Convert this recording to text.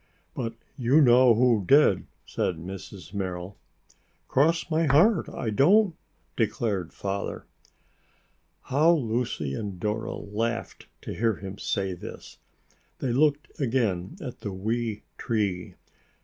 "But you know who did," said Mrs. Merrill. "Cross my heart, I don't," declared Father. How Lucy and Dora laughed to hear him say this. They looked again at the wee tree.